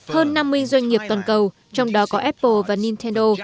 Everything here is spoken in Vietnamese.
hơn năm mươi doanh nghiệp toàn cầu trong đó có apple và nintendo